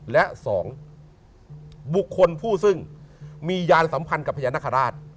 และ๒บุคคลผู้ซึ่งมียานสัมพันธ์กับพญานาคาราช